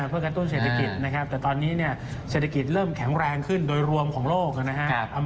เพื่อกระตุ้นเศรษฐกิจนะครับแต่ตอนนี้เนี่ยเศรษฐกิจเริ่มแข็งแรงขึ้นโดยรวมของโลกนะครับ